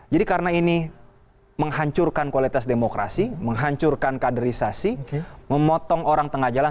jadi karena ini menghancurkan kualitas demokrasi menghancurkan kaderisasi memotong orang tengah jalan